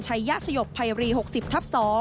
ชัยยะชะยบภายวรี๖๐ทับ๒